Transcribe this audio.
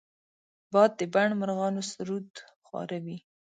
باد د بڼ مرغانو سرود خواره وي